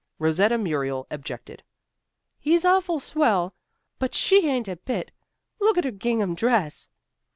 Rosetta Muriel objected. "He's awful swell, but she ain't a bit. Look at her gingham dress."